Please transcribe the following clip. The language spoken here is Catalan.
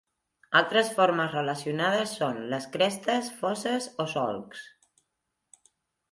Altres formes relacionades són les crestes, fosses o solcs.